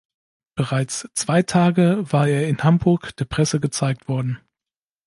Bereits zwei Tage war er in Hamburg der Presse gezeigt worden.